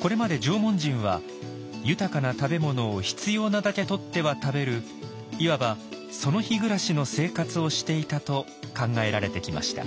これまで縄文人は豊かな食べ物を必要なだけとっては食べるいわば「その日暮らし」の生活をしていたと考えられてきました。